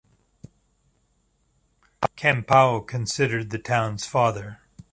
Campau considered the town's "father".